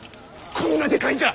こんなでかいんじゃ！